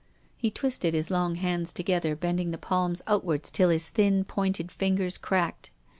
He twisted his long hands together, bending the palms outwards till his thin, pointed fingers cracked.